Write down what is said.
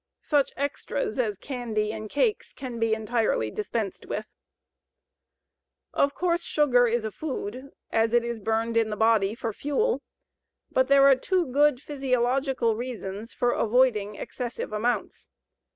SUCH "EXTRAS" AS CANDY AND CAKES CAN BE ENTIRELY DISPENSED WITH. Of course, sugar is a food, as it is burned in the body for fuel. But there are two good physiological reasons for avoiding excessive amounts.